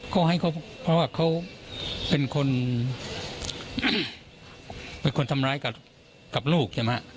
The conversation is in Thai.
ก็ให้เขาเพราะว่าเขาเป็นคนทำร้ายกับลูก